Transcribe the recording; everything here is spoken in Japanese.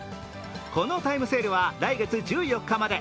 このタイムセールは来月１４日まで。